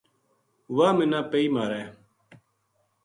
وہ منا پیئے مارے